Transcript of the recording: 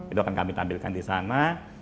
itu akan kami tampilkan di sana